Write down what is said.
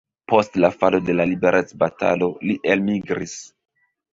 Post la falo de la liberecbatalo li elmigris.